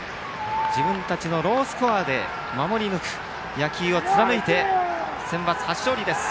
自分たちの、ロースコアで守り抜く野球を貫いてセンバツ初勝利です。